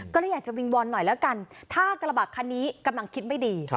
ก็เลยอยากจะวิงวอนหน่อยแล้วกันถ้ากระบะคันนี้กำลังคิดไม่ดี